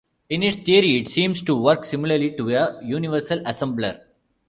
In its theory it seems to work similarly to a universal assembler.